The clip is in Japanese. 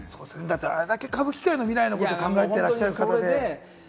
あれだけ歌舞伎界の未来のことを考えていらっしゃる方で。